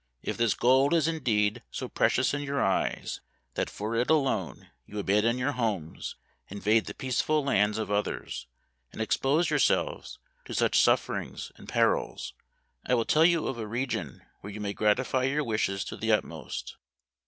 If this gold is indeed so precious in your eyes that for it alone you abandon your homes, invade the peaceful lands of others, and expose yourselves to such suffer ings and perils, I will tell you of a region where you may gratify your wishes to the utmost.